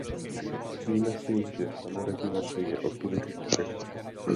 Nemyslíme si, že samoregulace je odpovědí na všechno.